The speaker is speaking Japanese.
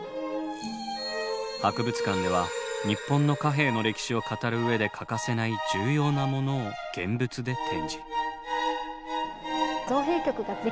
博物館では日本の貨幣の歴史を語る上で欠かせない重要なものを現物で展示。